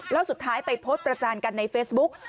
แล้วสุดท้ายไปโพสต์ประจานกันในเฟซบุ๊ก